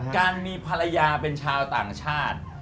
การมีภรรยาเป็นชาวต่างชาติ